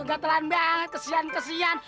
engga telan banget kesian kesian